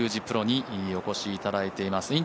プロにお越しいただいています。